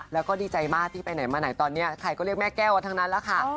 แล้วก็ดีใจมากที่ไปไหนมาไหนตอนนี้ใครก็เรียกแม่แก้วกันทั้งนั้นแล้วค่ะ